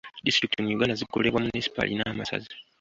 Disitulikiti mu Uganda zikolebwa munisipaali n'amasaza.